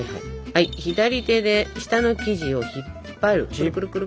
左手で下の生地を引っ張る。